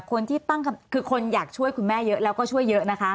คือคนอยากช่วยคุณแม่เยอะแล้วก็ช่วยเยอะนะคะ